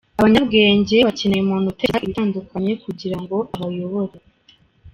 Abanyabwenge bakeneye umuntu utekereza ibitandukanye kugira ngo abayobore.